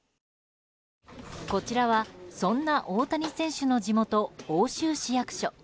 こちらはそんな大谷選手の地元奥州市役所。